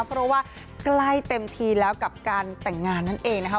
เพราะว่าใกล้เต็มทีแล้วกับการแต่งงานนั่นเองนะคะ